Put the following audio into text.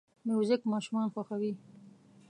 موزیک ماشومان خوښوي.